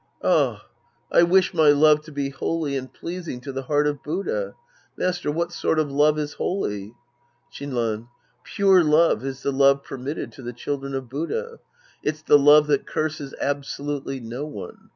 Ah, I wish my love to be holy and pleas ing to the heart of Buddha. Master, what sort of love is holy ? Shinran. Pure love is the love permitted to the children of Buddha. It's the love that curses abso lutely no one.